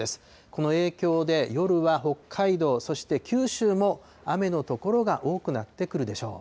この影響で、夜は北海道、そして九州も雨の所が多くなってくるでしょう。